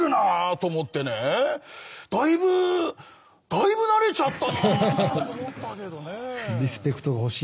だいぶ慣れちゃったなと思ったけどね。